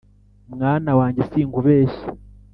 Mwana wanjye sinkubeshya